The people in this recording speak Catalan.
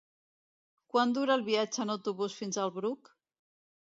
Quant dura el viatge en autobús fins al Bruc?